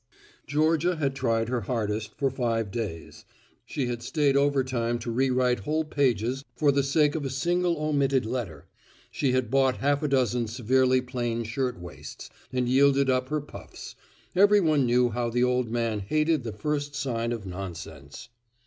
Georgia had tried her hardest for five days. She had stayed overtime to rewrite whole pages for the sake of a single omitted letter; she had bought half a dozen severely plain shirt waists, and yielded up her puffs. Everyone knew how the old man hated the first sign of nonsense.